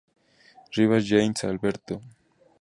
Rivas Yanes, Alberto.